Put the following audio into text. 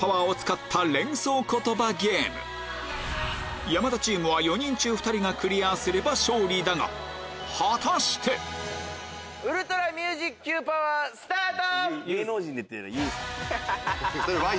ＪＵＭＰ の山田チームは４人中２人がクリアすれば勝利だが果たして⁉ウルトラミュージッ Ｑ パワースタート！